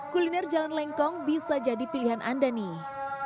kuliner jalan lengkong bisa jadi pilihan anda nih